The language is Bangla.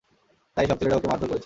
তাই, সব ছেলেরা ওকে মারধর করেছে।